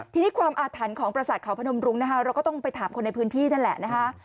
ทีนี้ความอาถรรพ์ของประสาทเขาพนมรุงนะคะเราก็ต้องไปถามคนในพื้นที่นั่นแหละนะคะ